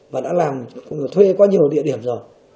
và đã làm thuê qua nhiều địa điểm rồi